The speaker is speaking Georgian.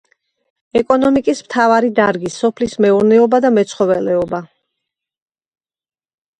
ეკონომიკის მთავარი დარგის სოფლის მეურნეობა და მეცხოველეობა.